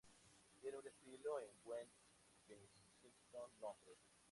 Tiene un estudio en West Kensington, Londres.